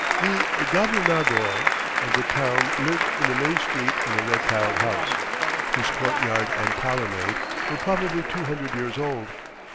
The gobernador of the town lived on the main street in a red tiled house, whose courtyard and colonnade were probably two hundred years old.